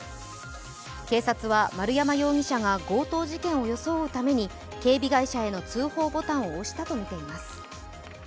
警察は丸山容疑者が強盗事件を装うために、警備会社への通報ボタンを押したとみています。